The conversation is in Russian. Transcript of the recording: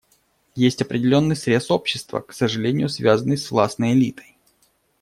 Есть определенный срез общества, к сожалению связанный с властной элитой.